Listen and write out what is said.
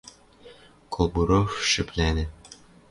Колбуров шӹплӓнӓ.